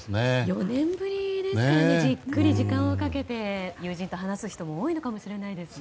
４年ぶりですから時間をかけて友人と話す人も多いかもしれないですね。